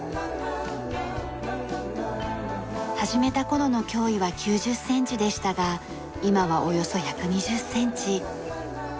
始めた頃の胸囲は９０センチでしたが今はおよそ１２０センチ。